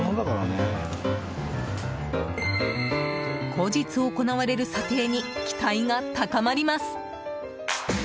後日行われる査定に期待が高まります。